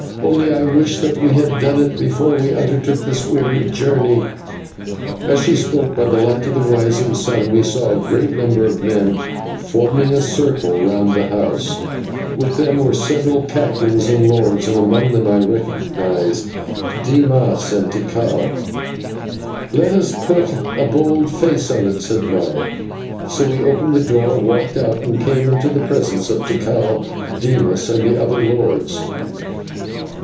Only I wish that we had done it before we undertook this weary journey." As she spoke, by the light of the rising sun we saw a great number of men forming a circle round the house. With them were several captains and lords, and among these I recognised Dimas and Tikal. "Let us put a bold face on it," said Maya. So we opened the door, walked out, and came into the presence of Tikal, Dimas, and the other lords.